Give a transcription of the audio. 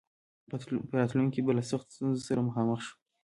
په راتلونکي کې به له سختو ستونزو سره مخامخ شي.